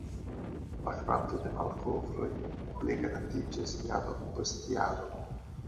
La kvanto de malkovroj pligrandiĝas jaron post jaro.